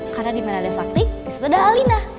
karena dimana ada sakti disitu ada alina